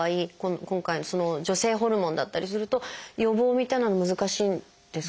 今回のその女性ホルモンだったりすると予防みたいなのは難しいんですか？